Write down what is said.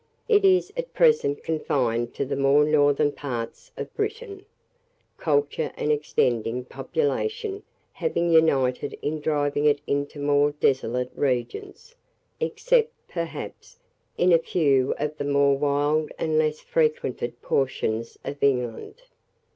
It is at present confined to the more northern parts of Britain, culture and extending population having united in driving it into more desolate regions, except, perhaps, in a few of the more wild and less frequented portions of England.